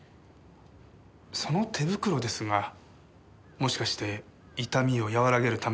その手袋ですがもしかして痛みを和らげるためですか？